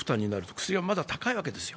薬はまだ高いわけですよ。